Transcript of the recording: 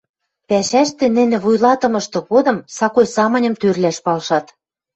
Пӓшӓштӹ нӹнӹ вуйлатымышты годым сакой самыньым тӧрлӓш палшат.